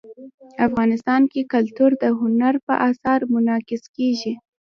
افغانستان کې کلتور د هنر په اثار کې منعکس کېږي.